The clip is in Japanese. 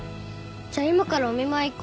じゃあ今からお見舞い行こ。